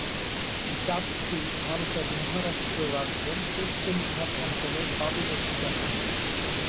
জাতটি ভারতের মহারাষ্ট্র রাজ্যের পশ্চিম ঘাট অঞ্চলের পাদদেশে জন্মে।